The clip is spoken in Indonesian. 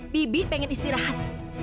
bibi pengen istirahat